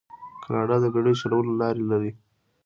کاناډا د بیړیو چلولو لارې لري.